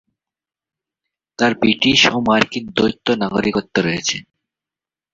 তার ব্রিটিশ ও মার্কিন দ্বৈত নাগরিকত্ব রয়েছে।